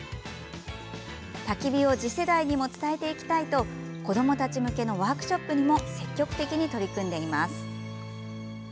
たき火を次世代にも伝えていきたいと子どもたち向けのワークショップにも積極的に取り組んでいます。